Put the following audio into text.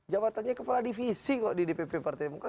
jabatannya kepala divisi kok di dpp partai demokrat